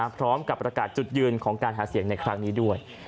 พร้อมกับประกาศจุดยืนของการหาเสียงในครั้งนี้ด้วย